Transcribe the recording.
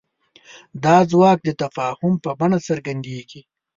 دا ځواک د تفاهم په بڼه څرګندېږي.